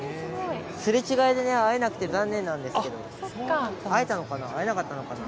すれ違いで会えなくて残念なんですけど会えたのかな会えなかったのかな。